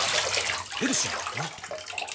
ヘルシーだからな。